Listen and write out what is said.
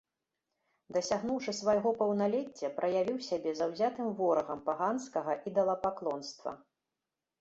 Дасягнуўшы свайго паўналецця, праявіў сябе заўзятым ворагам паганскага ідалапаклонства.